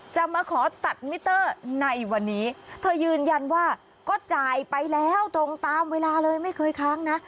จะมาขอตัดมิเตอร์ในวันนี้เธอยืนยันว่าก็จ่ายไปแล้วตรงตามเวลาเลยไม่เคยค้างนะ